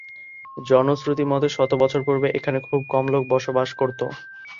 জনশ্রুতি মতে শত বছর পূর্বে এখানে খুব কম লোক বসবাস করত।